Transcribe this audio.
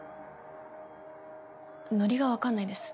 ノリが分かんないです。